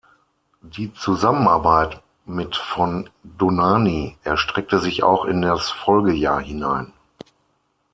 Die Zusammenarbeit mit von Dohnányi erstreckte sich auch in das Folgejahr hinein.